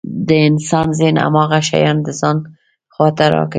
د انسان ذهن هماغه شيان د ځان خواته راکشوي.